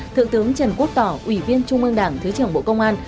thượng tướng trần quốc tỏ ủy viên trung ương đảng thứ trưởng bộ công an